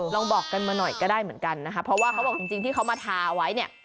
ลองบอกกันมาหน่อยก็ได้เหมือนกันนะคะเพราะว่าเขาบอกจริงที่เขามาทาเอาไว้เนี่ย